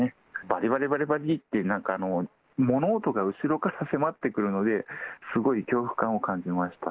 ばりばりばりばりって、なんか物音が後ろから迫ってくるので、すごい恐怖感を感じました。